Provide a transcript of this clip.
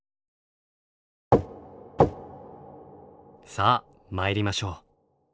さあ参りましょう。